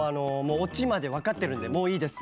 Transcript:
オチまで分かってるんでもういいです。